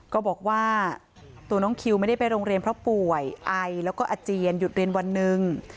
ก็บอกว่าตัวน้องคิวไม่ได้ไปโรงเรียนเพราะป่วยไอแล้วก็อาเจียนหยุดเรียนวันหนึ่ง